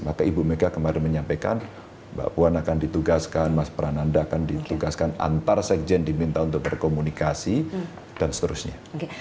maka ibu mega kemarin menyampaikan mbak puan akan ditugaskan mas prananda akan ditugaskan antar sekjen diminta untuk berkomunikasi dan seterusnya